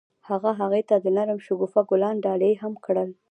هغه هغې ته د نرم شګوفه ګلان ډالۍ هم کړل.